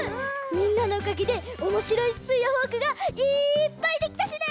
みんなのおかげでおもしろいスプーンやフォークがいっぱいできたしね！